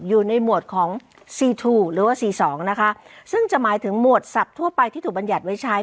อยู่ในหมวดของซีทูหรือว่าสี่สองนะคะซึ่งจะหมายถึงหมวดศัพทัวไปที่ถูกบรรยัติไว้ใช้